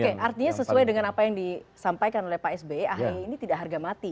oke artinya sesuai dengan apa yang disampaikan oleh pak sby ahy ini tidak harga mati